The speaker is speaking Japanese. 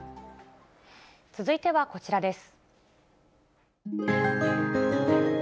続いてはこちらです。